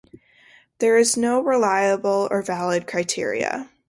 There are no such reliable or valid criteria.